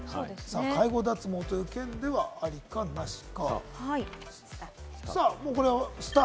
介護脱毛という件では、ありかなしか。